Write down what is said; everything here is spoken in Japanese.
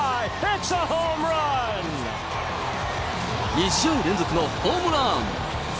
２試合連続のホームラン。